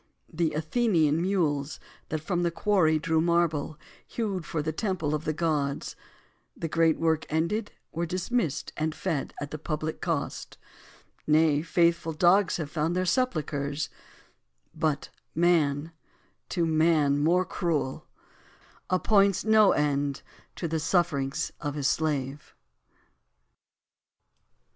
The Athenian mules, that from the quarry drew Marble, hewed for the Temple of the Gods, The great work ended, were dismissed and fed At the public cost; nay, faithful dogs have found Their sepulchres; but man, to man more cruel, Appoints no end to the sufferings of his slave.